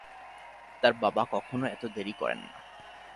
তার বাবা কখনো এত দেরি করেন না!